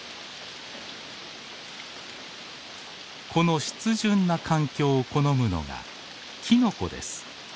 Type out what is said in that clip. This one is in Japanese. この湿潤な環境を好むのがキノコです。